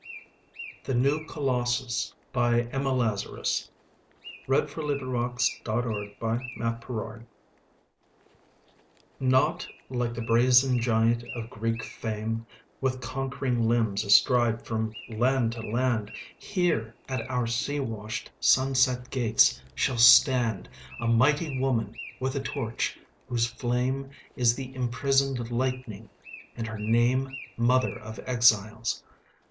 The New Colossus Emma Lazarus NOT like the brazen giant of Greek fame, With conquering limbs astride from land to land; Here at our sea washed, sunset gates shall standA mighty woman with a torch, whose flameIs the imprisoned lightning, and her nameMother of Exiles.